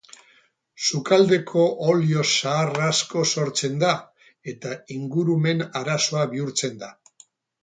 Sukaldeko olio zahar asko sortzen da eta ingurumen arazoa bihurtzen da.